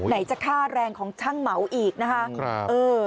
ไหนจะค่าแรงของช่างเหมาอีกนะคะ